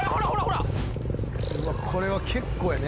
これは結構やね。